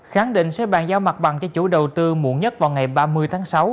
khẳng định sẽ bàn giao mặt bằng cho chủ đầu tư muộn nhất vào ngày ba mươi tháng sáu